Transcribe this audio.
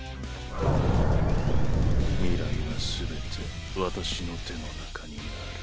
未来はすべて私の手の中にある。